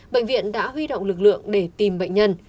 bệnh viện đã huy động lực lượng để tìm bệnh nhân